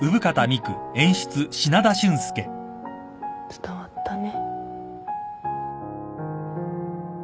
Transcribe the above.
伝わったね。